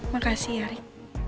makasih ya rik